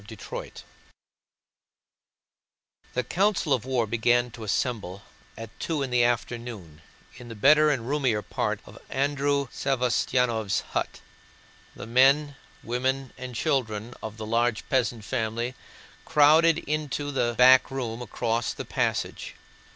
CHAPTER IV The Council of War began to assemble at two in the afternoon in the better and roomier part of Andrew Savostyánov's hut. The men, women, and children of the large peasant family crowded into the back room across the passage.